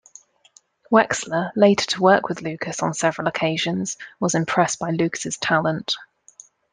Wexler, later to work with Lucas on several occasions, was impressed by Lucas' talent.